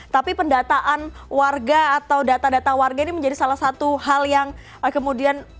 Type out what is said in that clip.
tapi pendataan warga atau data data warga ini menjadi salah satu hal yang kemudian